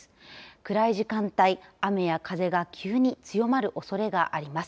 暗い時間帯、雨や風が急に強まるおそれがあります。